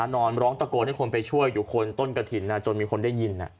ร้องตะโกนให้คนไปช่วยอยู่คนต้นกระถิ่นจนมีคนได้ยิน